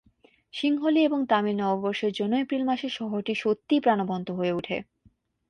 সিংহলী এবং তামিল নববর্ষের জন্য এপ্রিল মাসে শহরটি সত্যিই প্রাণবন্ত হয়ে ওঠে।